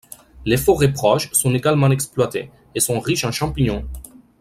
Les forêts proches sont également exploitées, et sont riches en champignons.